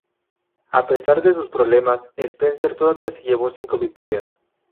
A pesar de sus problemas, Spencer todavía se llevó cinco victorias.